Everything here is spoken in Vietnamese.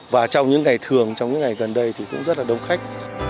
và trong những ngày thường trong những ngày gần đây thì cũng rất là đông khách